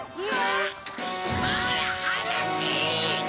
うわ！